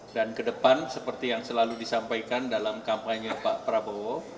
dan ke depan seperti yang selalu disampaikan dalam kampanye pak prabowo